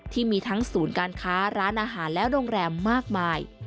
ที่มีทั้งศูนย์การค้าร้านอาหารและโรงแรมมากมาย